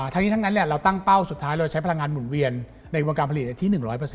ทั้งนี้ทั้งนั้นเราตั้งเป้าสุดท้ายเราใช้พลังงานหมุนเวียนในวงการผลิตที่๑๐๐